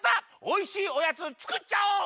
おいしいおやつつくっちゃおう！